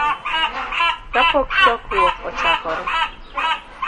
kapok chokruok ochakore.